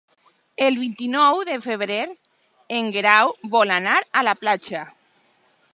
El vint-i-nou de febrer en Guerau vol anar a la platja.